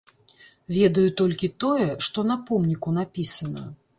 Ведаю толькі тое, што на помніку напісана.